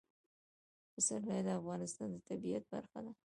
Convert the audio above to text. پسرلی د افغانستان د طبیعت برخه ده.